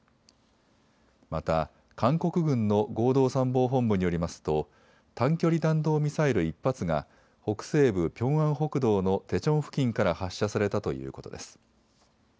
また韓国軍の合同参謀本部によりますと短距離弾道ミサイル１発が北西部ピョンアン北道のテチョン付近から発射されたということです。